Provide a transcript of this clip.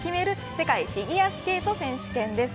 世界フィギュアスケート選手権です。